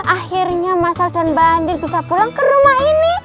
akhirnya masal dan bandir bisa pulang ke rumah ini